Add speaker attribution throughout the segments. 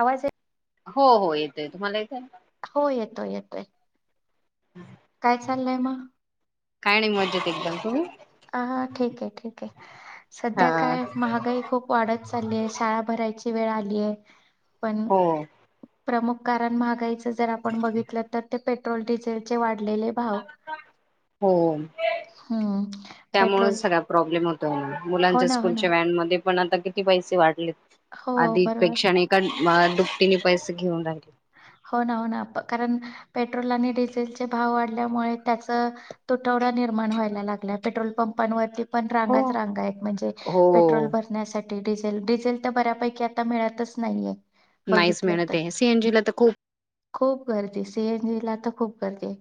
Speaker 1: आवाज य
Speaker 2: हो हो येतोय, तुम्हाला येतोय?
Speaker 1: हो येतोय येतोय. काय चाललंय मग?
Speaker 2: काय नाही मजेत एकदम, तुम्ही?
Speaker 1: ह ठीक आहे ठीक आहे, सध्या
Speaker 2: हा.
Speaker 1: काय महागाई खूप वाढत चालली आहे, शाळा भरायची वेळ आलीय.
Speaker 2: हो.
Speaker 1: प्रमुख कारण महागाईचं जर आपण बघितलं तर ते पेट्रोल डिझेल चे वाढ वाढलेले भाव
Speaker 2: हो.
Speaker 1: हम्म. पेट्रोल
Speaker 2: त्यामुळेच सगळ्या प्रॉब्लेम होतोय ना
Speaker 1: हो
Speaker 2: मुलांच्या
Speaker 1: ना हो ना
Speaker 2: स्कूलच्या वॅनमध्ये पण आता किती पैसे वाढलेत
Speaker 1: हो बरोबर
Speaker 2: आदीपेक्षा आणि एका म दुपटीने पैसे घेऊन राहिले.
Speaker 1: हो ना हो ना अ कारण पे ट्रोल आणि डिझेल भाव वाढल्यामुळे त्याचा तुटवडा निर्माण व्हायला लागला पेट्रोल पंपांवरती पण
Speaker 2: हो.
Speaker 1: रांगाचा रांगा आहेत म्हणजे पेट्रोल
Speaker 2: हो
Speaker 1: भरण्यासा ठी डिझेल डिझेल तर बऱ्यापैकी आता मिळतच नाहीये.
Speaker 2: नाहीस
Speaker 1: बघितलं
Speaker 2: मिळत
Speaker 1: तर
Speaker 2: आहे सी एन जी ला तर खूप
Speaker 1: खूप गर दी सी एन जी ला तर खप गर्दी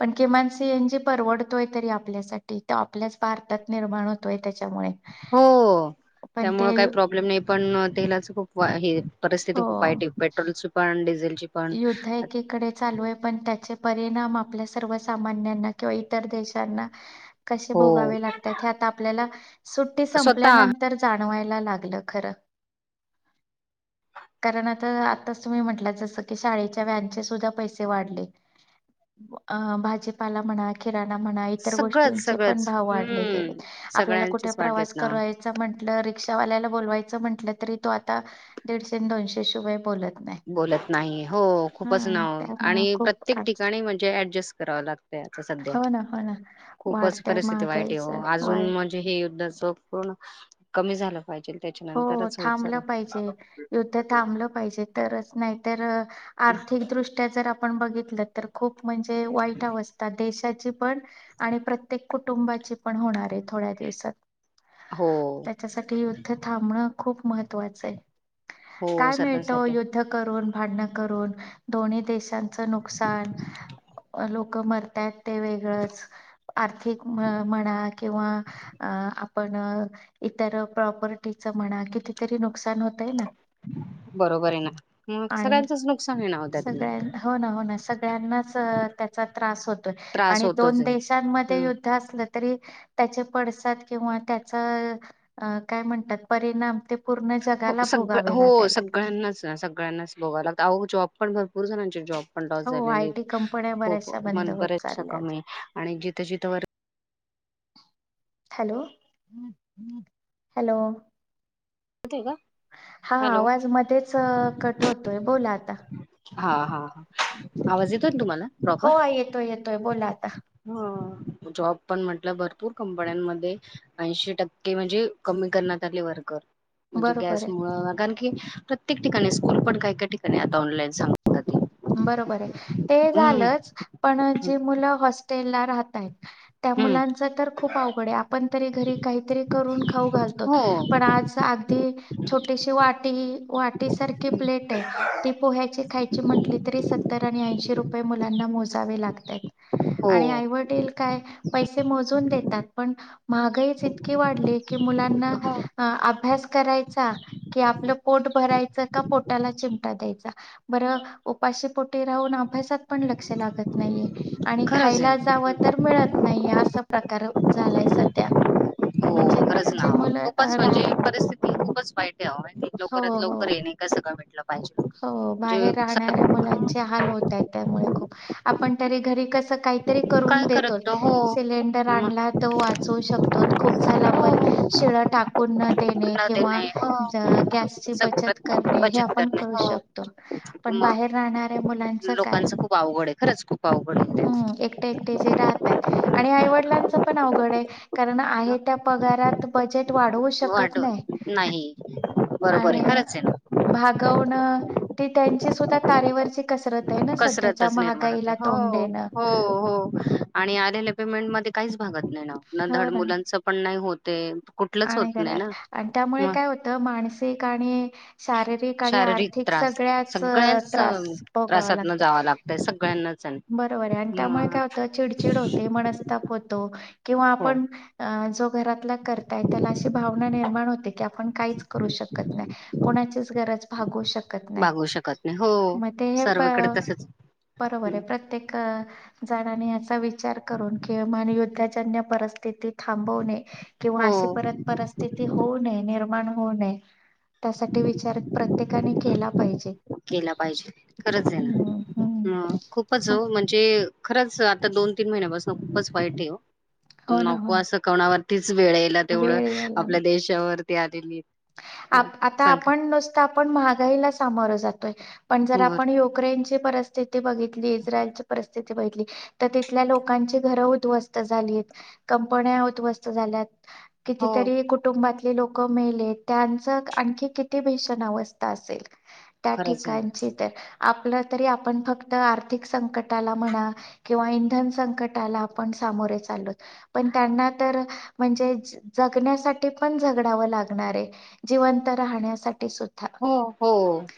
Speaker 1: पण किमान सी एन जी परवडतोय तरीआपल्यासाठी तो आ पल्याच भारतात निर्माण होतोय त्याच्यामुळे
Speaker 2: हो
Speaker 1: पण
Speaker 2: त्यामुळे
Speaker 1: ते
Speaker 2: काही
Speaker 1: यु-
Speaker 2: प्रॉब्लेम नाही पण तेलाचा खूप वा हे परिस्थिती
Speaker 1: हो
Speaker 2: खूप वाईट आहे पेट्रोलची पण डिझेल
Speaker 1: युद्ध एकीकडे चालू आहे पण त्याचे प रिणाम आपल्या सर्व सामान्यांना किवा इतर देशांना कशे
Speaker 2: हो
Speaker 1: भोगावे लागतात हे आता आपल्याला सुट्टी
Speaker 2: स्वतः
Speaker 1: संपल्यानंतर जा णवायला लागलं खरं. कारण आता आताच तुम्ही म्हटला जसं की शाळेच्या व्हॅन चे सुद्धा पैसे वाढले अ भाजीपाला म्हणा किरा णा म्हणा इतर
Speaker 2: सगळंच
Speaker 1: गोष्टींचे पण
Speaker 2: सगळंच
Speaker 1: भाव वाढले गेले
Speaker 2: हम्म
Speaker 1: आपल्याला कुठं
Speaker 2: सगळ्यांचेच वाढलेत
Speaker 1: प्रवास
Speaker 2: ना.
Speaker 1: करायच म्हटलं रि क्षावाल्याला बोलवायचा म्हंटलं तरी तो आता दिडशे न दोनशे शिवाय बोलत नाही.
Speaker 2: बोलत नाही हो खूपच
Speaker 1: हा
Speaker 2: नाव
Speaker 1: त्यामुळं
Speaker 2: आणि
Speaker 1: खूप
Speaker 2: प्रत्येक
Speaker 1: अडचण
Speaker 2: ठिकाणी म्हणजे ऍडजस्ट करावं लागतंय आता सध्या
Speaker 1: हो ना हो ना
Speaker 2: खूपच
Speaker 1: वाढत्या
Speaker 2: परिस्थिती वाईट आहे ओ
Speaker 1: महागाईचा वाय
Speaker 2: अजून म्हणजे हे युद्धचा पूर्ण कमी झालं पाहिजे
Speaker 1: हो
Speaker 2: त्याच्यानंतरच होईल
Speaker 1: थांबलं
Speaker 2: सर्व
Speaker 1: पाहिजे युद्ध थांबलं पाहिजे तरच नाहीतर अ आर्थिकदृष्ट्या जर आपण बघितलं तर खूप म्हणजे वाईट अवस्था देशात चे पण आणि प्रत्येक कुटुंबाची पण होणार आहे थोड्या दिवसात.
Speaker 2: हो.
Speaker 1: म खूप महत्वाच आहे
Speaker 2: हो
Speaker 1: काय मिळतं
Speaker 2: सर्वांसाठी
Speaker 1: युद्ध करून भांडण करून दोन्ही देशांचा नुकसान लोकं मरतात ते वेगळंच आर्थिक म्ह म्हणा किंवा अ अ आपण अ इतर प्रॉपर्टीचा म्हणा कितीतरी नुकसान होतय ना.
Speaker 2: बरोबर आहे ना मग
Speaker 1: आणि
Speaker 2: सगळ्यांचंच नुकसान आहे ना त्यातनं
Speaker 1: त्यांनाचं त्याचा त्रास होतोय
Speaker 2: त्रास
Speaker 1: आणि
Speaker 2: होतोच
Speaker 1: दोन
Speaker 2: आहे
Speaker 1: देशांमध्ये
Speaker 2: हम्म
Speaker 1: युद्ध असलं तरी त्याचे पडसाद किंवा त्याचा अ काय म्हणतात परिणाम पूर्ण जगाला
Speaker 2: सगळं
Speaker 1: भोगावे
Speaker 2: हो
Speaker 1: लागायला लागले.
Speaker 2: सगळ्यांनाच ना सगळ्यांनाच भोगाय लागतय आहो जॉब पण भरपूर जणांचे जॉब पण लॉस
Speaker 1: हो,
Speaker 2: झालेली
Speaker 1: आयटी कंपन्या
Speaker 2: खूप
Speaker 1: बऱ्याचशा बंद
Speaker 2: मन
Speaker 1: होत
Speaker 2: बर्याच
Speaker 1: चालल्यात.
Speaker 2: कमी आहे आणि जिथं जिथं वर
Speaker 1: हॅलो हॅलो.
Speaker 2: येतंय का
Speaker 1: हा
Speaker 2: हॅलो
Speaker 1: आवाज मध्येच अ कट होतोय बोला आता.
Speaker 2: हा हा आवाज येतोय ना तुम्हाला प्रॉपर
Speaker 1: हो, येतोय, येतोय. बोला आता.
Speaker 2: हो. जॉब पण म्हटलं भरपूर कंपन्यांमध्ये ऐंशी टक्के म्हणजे कमी करण्यात आले वर्कर. म्हणजे
Speaker 1: बरोबर आहे.
Speaker 2: गॅस मुळं कारण की प्रत्येक ठिकाणी स्कूल पण काही-काही ठिका आणि आता ऑनलाईन सांगतात
Speaker 1: बरोबर आहे ते
Speaker 2: हम्म
Speaker 1: झालंच पण जी मुलं हॉस्टेल ला राहतायत त्या
Speaker 2: हम्म
Speaker 1: मुलांचा तर खूप आवघड आपण तरी घरी काहीतरी करून खाऊ घालतोत
Speaker 2: हो
Speaker 1: पण आ सा अगदी छोटीशी वा टी वाटी सारखी प्लेट आहे ती पोह्याची खायची म्हटली तरी सत्तर आणि ऐंशी रुपये मुलांना मोजावे लागतायत.
Speaker 2: हो
Speaker 1: आणि आईवडील काय पैसे मोजून दे तात पण महागाईच इतकी वाढली की मुलांना
Speaker 2: हो
Speaker 1: अ अभ्यास करायचा कि आपलं पोट भरायचं का पोटाला चिमटा द्यायचा बरं उपाशी पोटी राहून आप अभ्यासात पण लक्ष लागत नाहीये आणि
Speaker 2: खरंच आहे
Speaker 1: खायला जावं
Speaker 2: ना.
Speaker 1: तर मिळत नाहीये असं प्रकार झालाय सध्या
Speaker 2: हो
Speaker 1: म्हणजे
Speaker 2: खरंच
Speaker 1: जे
Speaker 2: ना
Speaker 1: मुलं
Speaker 2: खूपच
Speaker 1: रा
Speaker 2: म्हणजे परिस्थिती खूपच वाईट आहे
Speaker 1: हो
Speaker 2: लवकरात लवकर
Speaker 1: हो
Speaker 2: येणे का सगळं म्हटलं.
Speaker 1: हो बाहेर राहणाऱ्या मुलांचे हाल होतायत. त्यामुळे खूप आपण तरी घरी कस काय तरी
Speaker 2: काय
Speaker 1: करुन देतोच
Speaker 2: करत हो
Speaker 1: सिलेंडर
Speaker 2: मग
Speaker 1: आणला तो वाचवू शकतोत खुप झाला पण
Speaker 2: हो
Speaker 1: शि टाकुन न देणे
Speaker 2: ना ते
Speaker 1: किंवा
Speaker 2: नाही हो
Speaker 1: गॅसची बचत
Speaker 2: सगळ्यात
Speaker 1: करणे हे
Speaker 2: बचत
Speaker 1: आपन
Speaker 2: करणे हो
Speaker 1: शकतो, पण
Speaker 2: मग
Speaker 1: बाहेर राहणाऱ्या मुलांच काय?
Speaker 2: लोकांचं खूप अवघड आहे खरंच खूप अवघड आहे
Speaker 1: हम्म एकटे एकटे जे राहतायत आणि आईवडलां पण अवघडय कारण
Speaker 2: ते
Speaker 1: आहे त्या पागारात बजेट वाढवु शकत
Speaker 2: वाट
Speaker 1: न्हाय
Speaker 2: नाही बरोबर
Speaker 1: आणि
Speaker 2: आहे खरंच आहे ना
Speaker 1: भाग होणं ते त्यांची सुद्धा तारेवरची कसरत आहे ना सध्याच्या
Speaker 2: कसरतच निर्माण होते
Speaker 1: महागाईला तोंड
Speaker 2: हो
Speaker 1: देणं.
Speaker 2: हो हो आणि आलेले पेमेंट मध्ये काहीच भागत नाही ना धड मुलांच पण नाही होते. कुठलंच होत
Speaker 1: आणि
Speaker 2: नाही
Speaker 1: घरात
Speaker 2: ना
Speaker 1: आणि त्यामुळे
Speaker 2: मग
Speaker 1: काय होत मानसिक आणि शारीरिक आणि
Speaker 2: शारीरिक
Speaker 1: आर्थिक सगळ्याच त्रास. भोगावा
Speaker 2: त्रासातनं
Speaker 1: लागतो.
Speaker 2: जावं लागतय सगळ्यांनाच. आहे.
Speaker 1: बरोबर आहे आणि त्यामुळे
Speaker 2: मग
Speaker 1: काय होतं चिडचिड होते मनस्ताप होतो. किंवा
Speaker 2: हो
Speaker 1: आपण जो घरातला करता आहे त्याला अशी भावना निर्माण होते की आप आपण काहीच करू शकत नाही कोणाचीच गरज भागवू शकत नाही.
Speaker 2: भागू शकत नाही हो
Speaker 1: मग ते हे,
Speaker 2: सर्वकडे तसच
Speaker 1: बरोबर आहे प्रत्येक जणांनी याचा विचा विचार करून किमान युद्धजन्य परस्थिती थांबवणे किंवा अशी
Speaker 2: हो
Speaker 1: परत परस्थिती होऊ नये निर्माण होऊ नये त्यासाठी विचार प्रत्येकाने केला पाहिजे.
Speaker 2: केला पाहिजे खरच आहे
Speaker 1: हम्म हम्म
Speaker 2: ना खूपच
Speaker 1: सांग.
Speaker 2: हो म्हणजे खरच आता दोन तीन महिन्यापासून खूपच वाईट आहे हो
Speaker 1: हो ना हो
Speaker 2: नको
Speaker 1: ना.
Speaker 2: असं कोणावर वेळ यायला तेवढं
Speaker 1: वेळ यायला
Speaker 2: आपल्या
Speaker 1: नको.
Speaker 2: देशावरती आलेली ह
Speaker 1: आप आता
Speaker 2: सांगा
Speaker 1: आपण नुसता आपण महागाईला सामोरं जातोय. पण जर
Speaker 2: बर
Speaker 1: आपण युक्रेनचे परस स्थिती बघितली इस्रायलची परिस्थिती बघितली तर तिथल्या लोकांची घरं उद्ध्वस्त झाली आहेत. कंपन्या उद्ध्वस्त झाल्यात
Speaker 2: हो
Speaker 1: कितीतरी कुटुंबातले लोक मेलेत. त्यांच आणखी किती भीषण अवस्था असेल त्या
Speaker 2: खरंच आहे ना
Speaker 1: ठिकाणची तर आपलं तरी आपण फक्त आर्थिक संकटाला म्हणा किंवा इंधन संकटाला आपण सा सामोरे चाललोत पण त्यांना तर म्हणजे जगण्यासाठी पण झगडावं लागणार आहे. जिवंत राहण्यासाठी सुद्धा,
Speaker 2: हो हो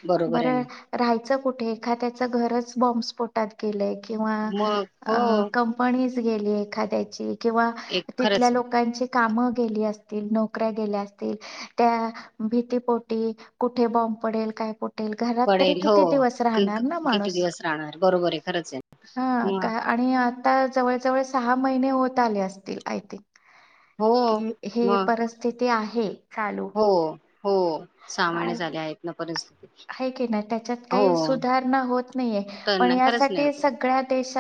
Speaker 2: बरोबर
Speaker 1: बर
Speaker 2: आहे ना
Speaker 1: राहंय च कुठे एखाद्याच घरच बॉम्बस्फ़ोटात गेलंय किंवा
Speaker 2: मग हो
Speaker 1: कंपनी गेलीय एखाद्याची किंवा
Speaker 2: एक खरंच
Speaker 1: तिथल्या
Speaker 2: आहे
Speaker 1: लोकांची काम गेली असतील नोकऱ्या गेल्या असतील त्या भीतीपोटी कुठे बॉम्ब पडेल काय कुठे वाटेल घरात तरी
Speaker 2: पडेल हो
Speaker 1: किती दिवस
Speaker 2: क
Speaker 1: राहणार
Speaker 2: क
Speaker 1: ना
Speaker 2: किती
Speaker 1: माणूस.
Speaker 2: दिवस राहणार बरोबर आहे खरंच आहे
Speaker 1: हा
Speaker 2: मग
Speaker 1: काय आणि आता जवळजवळ सहा महिने होत आले असतील आय थिंग.
Speaker 2: हो
Speaker 1: कि हे
Speaker 2: मग
Speaker 1: परिस्थिती आहे चालू.
Speaker 2: हो हो, सहा
Speaker 1: आ
Speaker 2: महिने झाले आहेत ना परिस
Speaker 1: आहे की नाही त्याच्यात काही सुधारणा होत नाहीये
Speaker 2: तर
Speaker 1: पण
Speaker 2: नाही खरंच नाही
Speaker 1: यासाठी सगळ्या देश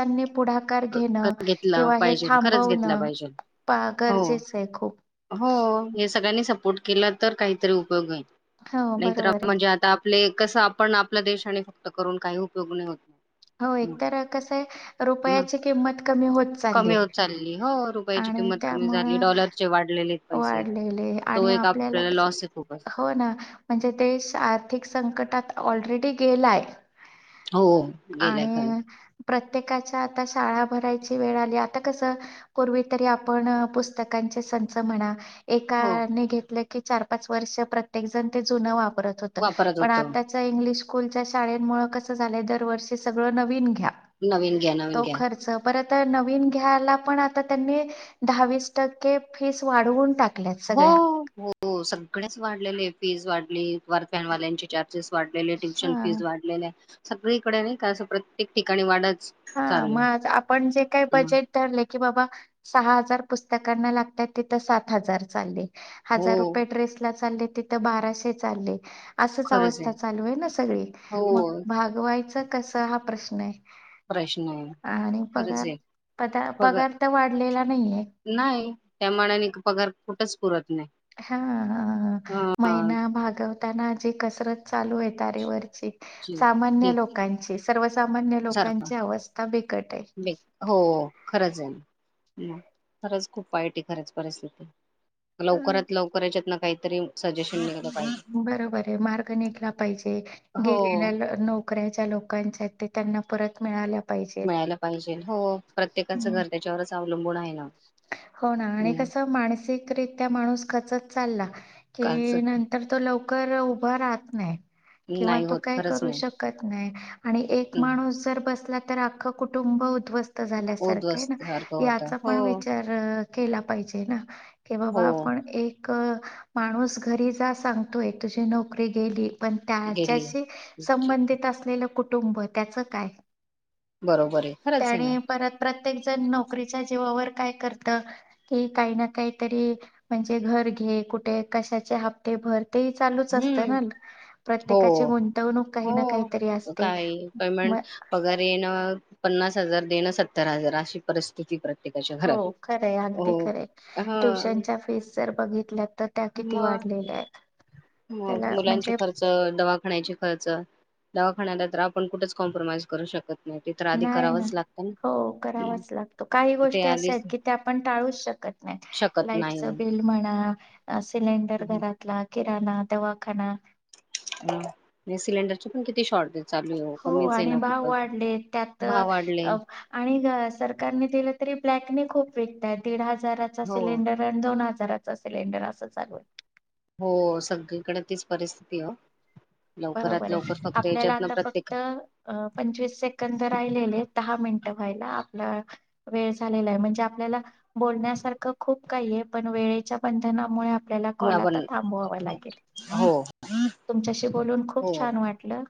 Speaker 2: घेतला
Speaker 1: हे
Speaker 2: पाहिजेल खरंच घेतला
Speaker 1: थांबवणं
Speaker 2: पाहिजेल
Speaker 1: पा
Speaker 2: हो.
Speaker 1: गरजेचं आहे खूप
Speaker 2: हो हे सगळ्यांनी सपोर्ट केला तर काहीतरी उपयोग होईल,
Speaker 1: हो
Speaker 2: नाहीतर
Speaker 1: बरोबर आहे
Speaker 2: म्हणजे आता आपले कसं आपण आपल्या देशाने [unintelligible] करून काही उपयोग नाही होत.
Speaker 1: हो एक तर कसं आहे रूप
Speaker 2: मग
Speaker 1: रूपयाची किंमत कमी होत चालले
Speaker 2: कमी होत चालली हो रुपयाची
Speaker 1: आणि
Speaker 2: किंमत कमी
Speaker 1: त्यामूळ
Speaker 2: झाली डॉलरचे वाढलेले आहेत पैसे
Speaker 1: वाढलेले
Speaker 2: तो
Speaker 1: आणि
Speaker 2: एक
Speaker 1: आपल्याला कसं
Speaker 2: लॉस आहे खूपच
Speaker 1: हो ना म्हणजे देश आर्थिक संकटात ऑलरेडी गेलाय.
Speaker 2: हो गेलाय खरं
Speaker 1: आणि प्रत्येकाच्या आता शाळा भरायची वेळ आली, आता कसं पूर्वी तरी आपण पुस्तकांचे सं म्हणा
Speaker 2: हो
Speaker 1: एकाने घेतलं की चार पाच वर्ष प्रत्येक जण ते जुन वाप परत होत
Speaker 2: वापरत
Speaker 1: पण
Speaker 2: होतो
Speaker 1: आताच्या इंग्लिश स्कूलच्या शाळेमूळ कसं झालाय दर वर्षी कस सगळं नवीन घ्या.
Speaker 2: नवीन घ्या नवीन घ्या.
Speaker 1: त नवीन घ्याला पण आता त्यांनी दहावीस टक्के फीस वाढवून टाक
Speaker 2: हो हो सगळेच वाढलेले फीज वाढली, वर व्हॅन वाल्यांचे चार्ज र्जेस वाढलेले ट्युशन
Speaker 1: हा
Speaker 2: फीज वाढलेल्या सगळीकडे नाही का असं प्रत्येक ठिकाणी वाढतं
Speaker 1: हा मग आज आपण जे काय बजेट धरले की बाबा सहा हजार पुस्तकांना लागतात तिथं सात हजार चालले
Speaker 2: हो
Speaker 1: हजार रुपये ड्रेस ला च लले तिथं बाराशे चालले असंच अवस्था चालू आहे ना सगळी
Speaker 2: हो
Speaker 1: मग, भागवायचं कसं हा प्रश्न आहे?
Speaker 2: प्रश्न आहे.
Speaker 1: आणि
Speaker 2: खरंच
Speaker 1: पगार
Speaker 2: आहे.
Speaker 1: पदा पगार त वाढलेला नाहीये.
Speaker 2: नाही त्या मानाने पगार कुठच पुरत नाही.
Speaker 1: हा हा
Speaker 2: हा
Speaker 1: महिना भागवताना जे कसरत चालूय तारेवरची. सामान्य
Speaker 2: ठीक
Speaker 1: लोकांची. सर्वसामान्य
Speaker 2: सारख
Speaker 1: लोकांची अवस्था बिकट
Speaker 2: बे हो खरंच आहे ना म खरंच खूप वाईट आहे खरंच परिस्थिती.
Speaker 1: आहे.
Speaker 2: लवकरात लवकर याच्यात न कांही तरी
Speaker 1: बरोबर आहे मार्ग निघला पाहिजे
Speaker 2: हो
Speaker 1: गेलेल्या ल नोकऱ्या लोकांच्या ते त्यांना परत मिळाल्या पाहिजेत
Speaker 2: मिळायला पाहिजे हो प्रत्येकाचं
Speaker 1: हम्म.
Speaker 2: घर त्याच्यावरच अवलंबून आहे ना.
Speaker 1: हो ना आणि
Speaker 2: हम्म
Speaker 1: कसं मानसिकरित्या माणूस खचतं चालला
Speaker 2: काच
Speaker 1: की नंतर तो लव कर उभं राहत नाहीं. किंवा
Speaker 2: नाही
Speaker 1: तो
Speaker 2: होत
Speaker 1: काय
Speaker 2: खरंच
Speaker 1: करू
Speaker 2: नाही.
Speaker 1: शकत नाही आणि एक
Speaker 2: हम्म
Speaker 1: माणूस जर बसला त तर अख्खं कुटुंब उधवस्त झाल्यासारखं है
Speaker 2: उध्वस्त
Speaker 1: ना
Speaker 2: सारखं होत.
Speaker 1: याचा
Speaker 2: हो
Speaker 1: पण विचार केला पाहिजे ना की बाबा
Speaker 2: हो
Speaker 1: आपण एक क माणूस घरी जा सांगतोय तुझी नोकरी गेली पण
Speaker 2: गेली.
Speaker 1: त्याच्याशी संबंधित असलेलं कुटुंब त्याच काय?
Speaker 2: बरोबर आहे खरंच आहे ना.
Speaker 1: त्याने परत प्रत्येक जण नोकरीचा जिवावर काय करत की काहींना काहीतरी म्हणजे घर घे कुठे कशाची हप्ते भर ते चालूच असत
Speaker 2: हम्म
Speaker 1: ना
Speaker 2: हो
Speaker 1: प्रत्येकाची गुंतवणूक काही ना काही तरी
Speaker 2: हो
Speaker 1: असते.
Speaker 2: काय पेमेंट पगार येण पन्नास हजार देणं सत्तर हजार अशी परिस्थि
Speaker 1: हो खरय अगदी खरय
Speaker 2: हा
Speaker 1: ट्युशनच्या फीस जर बघितल्या तर त्या किती वाढ लेल्या आहेत.
Speaker 2: म
Speaker 1: त्याला
Speaker 2: मुलांचे
Speaker 1: म्हणजे
Speaker 2: खर्च दवाखान्या चे खर्च दवाखान्याला तर आपण कुठच कॉम्प्रोमाईज करू शकत नाही ते तर आधी
Speaker 1: नाही ना
Speaker 2: करावच लागतं न.
Speaker 1: हो करावाच लागतो काही गोष्टी अशे
Speaker 2: आधीच
Speaker 1: आहेत, की ते आपण टाळूच शकत नाहीं.
Speaker 2: शकत नाही
Speaker 1: लाईटच बिल बिल म्हणा सिलेंडर घरातला किराणा, दवाखाना
Speaker 2: ह नी सिलेंडरचे पण किती शॉरटेज
Speaker 1: हो आणि भाव वाढले त्यात
Speaker 2: भाव वाढले
Speaker 1: अ आणि घ सरकारने दिलं तरी ब्लॅकने खूप विकतायत दीड हजाराचा
Speaker 2: हो
Speaker 1: सिलेंडर आणि दोन हजार हजाराच सिलेंडर असं चालू
Speaker 2: हो सगळीकडे तीच परिस्थितीय ओ.
Speaker 1: बरोबर आहे आपल्याला आता फक्त अ पंचवीस सेकंद राहिलेले दहा मिनिटं व्हायला आप वेळ झालेलाय म्हणजे आपल्या बोलण्यासारखं खूप काहीय पण वेळ वेळेच्या बंधनामुळे आप
Speaker 2: म आपण हो.
Speaker 1: तुमच्याशी बोलून
Speaker 2: हो,
Speaker 1: खूप छान वाटलं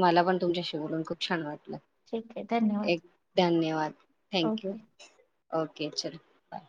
Speaker 2: मला पण तुमच्याशी बोलून खूप छान वाटलं.
Speaker 1: ठीक आहे धन्यवाद
Speaker 2: एक, धन्यवाद थँक यू.
Speaker 1: ओके.
Speaker 2: ओके चल बाय.